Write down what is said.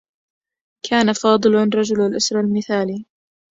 كان فاضل رجل الأسرة المثالي.